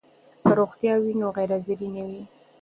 که روغتیا وي نو غیر حاضري نه وي.